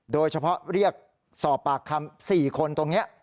โดยเฉพาะเรียกสอบปากคำ๔คนตรงนี้